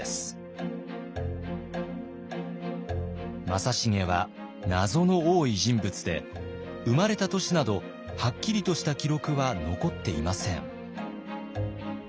正成は謎の多い人物で生まれた年などはっきりとした記録は残っていません。